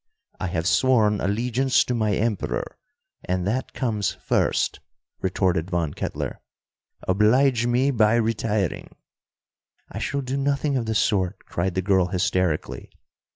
"I have sworn allegiance to my Emperor, and that comes first," retorted Von Kettler. "Oblige me by retiring." "I shall do nothing of the sort," cried the girl hysterically.